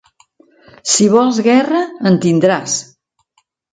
Si vols guerra, en tindràs.